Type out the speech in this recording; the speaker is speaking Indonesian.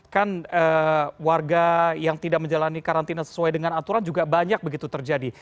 kan warga yang tidak menjalani karantina sesuai dengan aturan juga banyak begitu terjadi